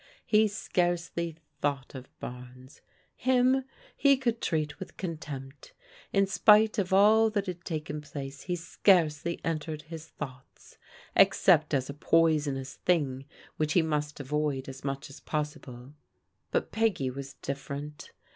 He scarcely thought of Barnes : him, he could treat with con tempt. In spite of all that had taken place he scarcely entered his thoughts, except as a poisonous thing which he must avoid as much as possible. But Peggy was dif ferent.